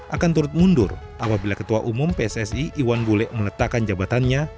akan turut mundur apabila ketua umum pssi iwan bule meletakkan jabatannya